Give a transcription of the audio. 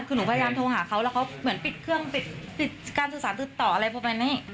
คือหนูพยายามโทรหาเขาแล้วเขาเหมือนปิดเครื่องปิดการศึกษาติดต่ออะไรประมาณนี้